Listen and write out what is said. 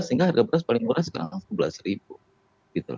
sehingga harga beras paling murah sekarang rp sebelas